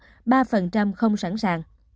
việt nam đang thúc đẩy tiêm chủng ba không sẵn sàng